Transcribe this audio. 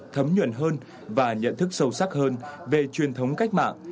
thấm nhuần hơn và nhận thức sâu sắc hơn về truyền thống cách mạng